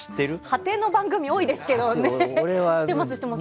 果ての番組多いですけど知ってます。